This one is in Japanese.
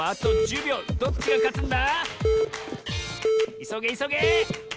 いそげいそげ！